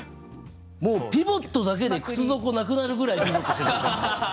もうピボットだけで靴底なくなるぐらいピボットしてる。